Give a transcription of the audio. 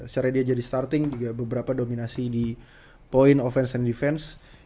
caranya dia jadi starting juga beberapa dominasi di point offense and defense